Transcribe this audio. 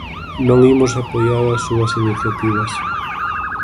Non imos apoiar as súas iniciativas.